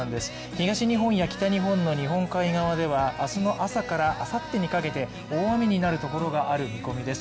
東日本や北日本の日本海側では明日の朝からあさってにかけて大雨になるところがある見込みです。